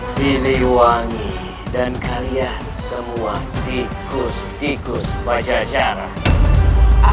siliwangi dan kalian semua tikus tikus pajajaran